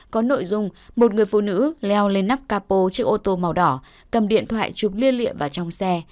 có nội dung một người phụ nữ leo lên nắp capo chiếc ô tô màu đỏ cầm điện thoại trục liên lịa vào trong xe